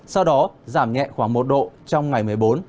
sau đó giảm nhẹ khoảng một độ trong ngày một mươi bốn